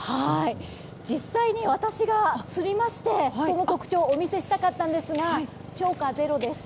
実際に私が釣りましてその特徴をお見せしたかったんですが釣果０です。